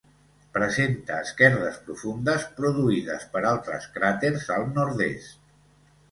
Presenta esquerdes profundes produïdes per altres cràters al nord-est.